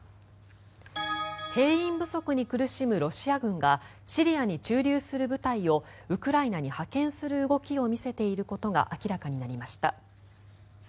兵員不足に苦しむロシア軍がシリアに駐留する部隊をウクライナに派遣する動きを見せていることが明らかになりました。